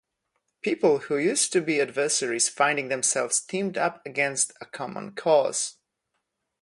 People who used to be adversaries finding themselves teamed up against a common cause.